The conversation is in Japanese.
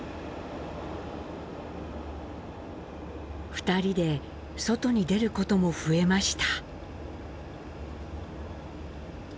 ２人で外に出ることも増えました。